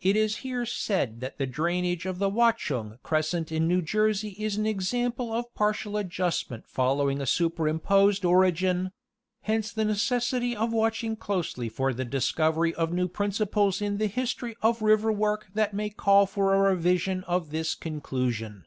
It is here said that the drainage of the Watchung crescent in New Jersey is an example of partial adjustment following a superimposed origin : hence the necessity of watching closely for the discovery of new principles in the history of river work that may call for a revision of this conclusion.